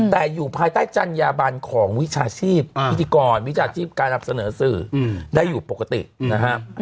แต่อยู่ภายใต้จัญญาบันของวิชาชีพพิธีกรวิชาชีพการนำเสนอสื่อได้อยู่ปกตินะฮะ